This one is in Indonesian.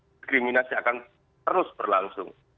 diskriminasi akan terus berlangsung